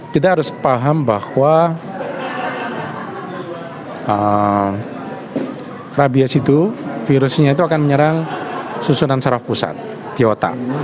kita harus paham bahwa rabies itu virusnya itu akan menyerang susunan saraf pusat di otak